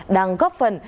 đang góp phần